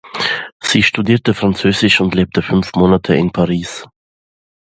Sie studierte Französisch und lebte fünf Monate in Paris.